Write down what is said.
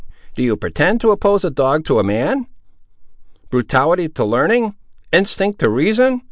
"Do you pretend to oppose a dog to a man! brutality to learning! instinct to reason!"